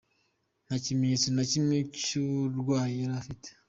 Nta kimenyetso na kimwe cy’uburwayi yari afite.